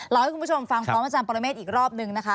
ให้คุณผู้ชมฟังพร้อมอาจารย์ปรเมฆอีกรอบนึงนะคะ